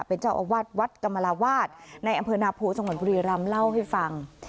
เป็นเจ้าอาวาสวัดกรรมลาวาสในอำเภอนาโพจังหวัดบุรีรำเล่าให้ฟัง